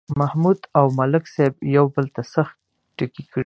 محمود او ملک صاحب یو بل ته سخت ټکي کړي.